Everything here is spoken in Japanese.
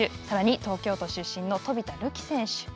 さらに東京都出身の飛田流輝選手。